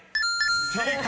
［正解！